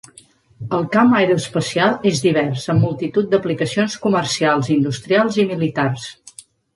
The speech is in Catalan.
El camp aeroespacial és divers, amb multitud d'aplicacions comercials, industrials i militars.